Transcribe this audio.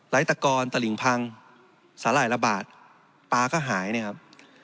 ไหลตะกรตะหลิงพังสาหร่ายระบาดปลาก็หายครับ